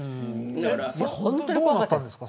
本当に怖かったです。